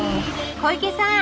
小池さん